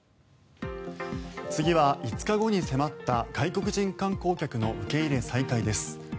次は５日後に迫った外国人観光客の受け入れ再開です。